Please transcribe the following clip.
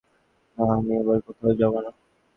না, আমি এবার কোথাও যাব না।